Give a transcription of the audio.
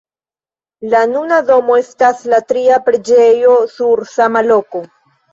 La nuna domo estas la tria preĝejo sur sama loko.